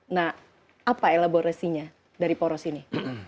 nah apa elaborasinya dari poros ini